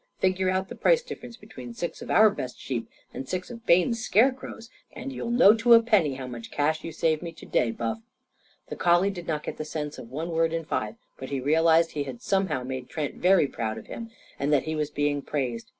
Figure out the price difference between six of our best sheep and six of Bayne's scarecrows, and you'll know to a penny how much cash you've saved me to day, Buff." The collie did not get the sense of one word in five. But he realised he had somehow made Trent very proud of him and that he was being praised.